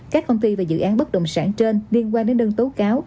các công ty và dự án bất động sản trên liên quan đến đơn tố cáo